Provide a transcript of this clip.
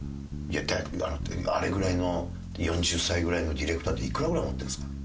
あれぐらいの４０歳ぐらいのディレクターっていくらぐらい持ってるんですかね？